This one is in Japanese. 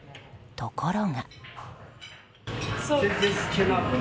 ところが。